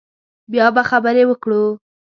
بیا به خبرې وکړو